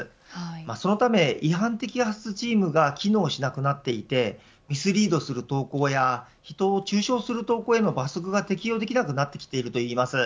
そのため違反摘発チームが機能しなくなっていてミスリードする投稿や人を中傷する投稿への罰則が適用できなくなってきているといいます。